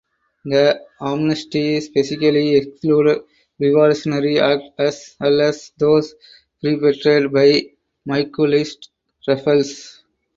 The amnesty specifically excluded ‘revolutionary acts’ as well as those perpetrated by Miguelist rebels.